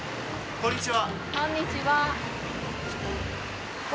こんにちは。